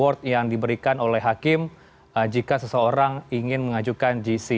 reward yang diberikan oleh hakim jika seseorang ingin mengajukan gc